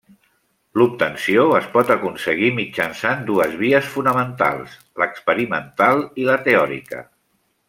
L'obtenció es pot aconseguir mitjançant dues vies fonamentals: l'experimental i la teòrica.